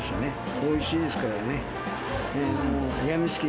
おいしいですからね。